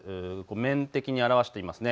面的に表していますね。